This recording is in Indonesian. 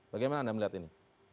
bagaimana anda melihat ini